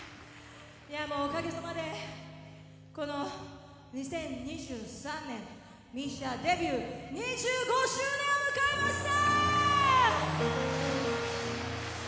いやもうおかげさまでこの２０２３年ＭＩＳＩＡデビュー２５周年を迎えました！